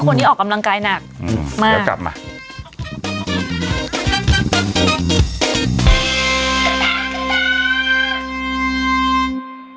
โอ้วคนที่ออกกำลังกายหนัก